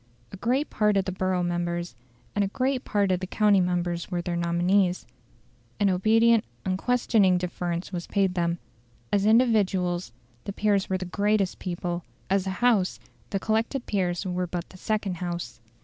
A great part of the borough members and a great part of the county members were their nominees; an obedient, unquestioning deference was paid them. As individuals the peers were the greatest people; as a House the collected peers were but the second House.